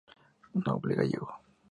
Noble gallego.